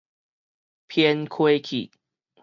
偏溪缺